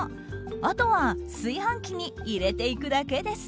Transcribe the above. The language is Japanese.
あとは炊飯器に入れていくだけです。